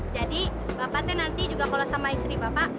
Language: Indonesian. jadi bapak teh nanti juga kalau sama istri bapak